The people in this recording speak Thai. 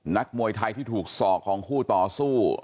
นักมวยไทยที่ถูกศอกของคู่ต่อสู้